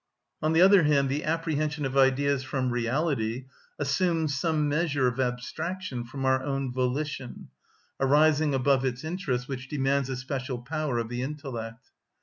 On the other hand, the apprehension of Ideas from reality assumes some measure of abstraction from our own volition, arising above its interests which demands a special power of the intellect.